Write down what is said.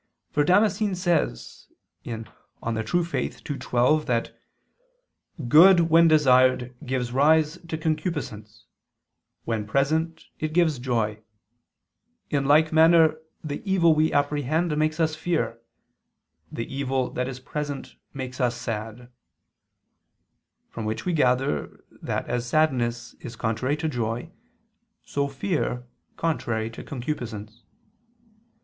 For Damascene says (De Fide Orth. ii, 12) that "good when desired gives rise to concupiscence; when present, it gives joy: in like manner, the evil we apprehend makes us fear, the evil that is present makes us sad": from which we gather that as sadness is contrary to joy, so is fear contrary to concupiscence.